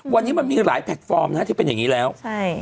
วันนี้มันมีหลายแพลตฟอร์มนะฮะที่เป็นอย่างนี้แล้วใช่